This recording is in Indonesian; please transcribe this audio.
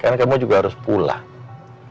kan kamu juga harus pulang